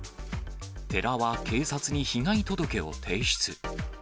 寺は警察に被害届を提出。